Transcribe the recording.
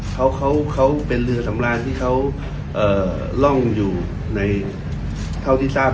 เขาเขาเป็นเรือสำราญที่เขาร่องอยู่ในเท่าที่ทราบ